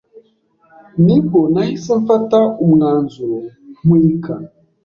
Nibwo nahise mpfata umwanzuro ntwika